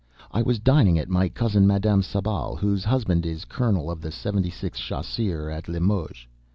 I was dining at my cousin's Madame Sablé, whose husband is colonel of the 76th Chasseurs at Limoges.